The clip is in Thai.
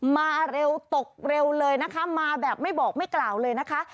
มาเร็วตกเร็วเลยนะคะมาแบบไม่บอกไม่กล่าวเลยนะคะ